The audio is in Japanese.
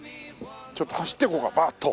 ちょっと走って行こうかバーッと。